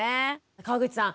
川口さん